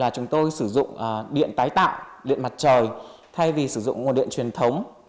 chúng tôi sử dụng điện tái tạo điện mặt trời thay vì sử dụng nguồn điện truyền thống